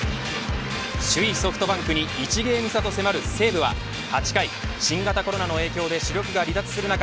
首位ソフトバンクに１ゲーム差と迫る西武は８回、新型コロナの影響で主力が離脱する中